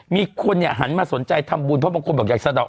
มีคนเนี่ยหันมาสนใจทำบุญเพราะบางคนบอกอยากสะดอก